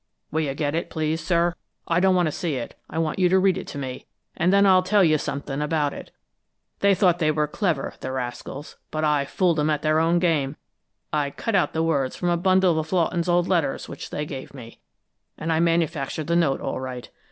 Will you get it, please, sir? I don't want to see it; I want you to read it to me, and then I'll tell you something about it. They thought they were clever, the rascals, but I fooled them at their own game! I cut out the words from a bundle of Lawton's old letters which they gave me, and I manufactured the note, all right.